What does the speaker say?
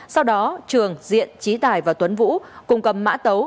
sau đó trường diện trí tài và tuấn vũ cung cầm mã tấu